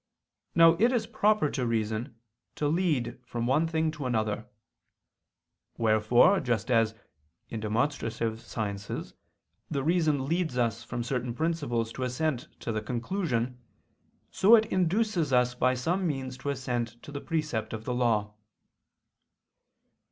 Now it is proper to reason to lead from one thing to another. Wherefore just as, in demonstrative sciences, the reason leads us from certain principles to assent to the conclusion, so it induces us by some means to assent to the precept of the law.